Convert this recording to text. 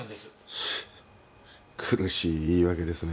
フッ苦しい言い訳ですね。